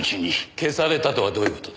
消されたとはどういう事だ？